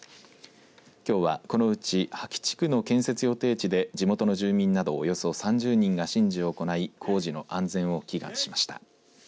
きょうは、このうち葉木地区の建設予定地で地元の住民などおよそ３０人が神事を行い工事の安全を祈願しました。